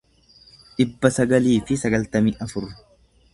dhibba sagalii fi sagaltamii afur